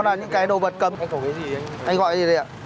rồi rồi rồi rồi